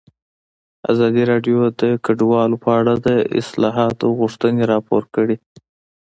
ازادي راډیو د کډوال په اړه د اصلاحاتو غوښتنې راپور کړې.